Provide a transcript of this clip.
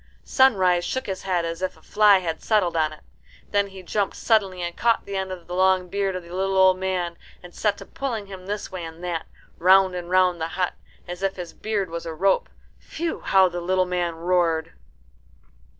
Sunrise shook his head as if a fly had settled on it. Then he jumped suddenly and caught the end of the long beard of the little old man, and set to pulling him this way and that, round and round the hut, as if his beard was a rope. Phew! how the little man roared.